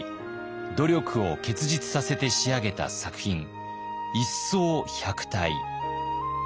努力を結実させて仕上げた作品「一掃百態」。